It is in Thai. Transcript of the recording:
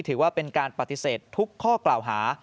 ถือว่าเป็นการปฏิเสธทุกข้อกล่าวหา